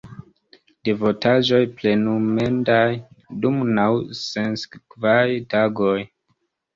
Devotaĵoj plenumendaj dum naŭ sinsekvaj tagoj.